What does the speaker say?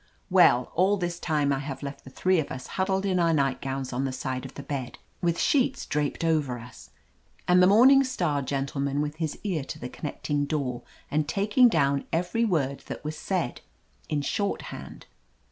Well, all this time I have left the three of us huddled in our nightgowns on the side of the bed, with sheets draped over us, and the Morning Star gentleman with his ear to the 272 OF LETITIA CARBERRY connecting door and taking down every word that was said, in shorthand.